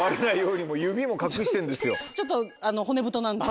ちょっと骨太なんで。